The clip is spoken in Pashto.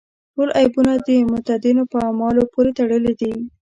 ټول عیبونه د متدینو په اعمالو پورې تړلي دي.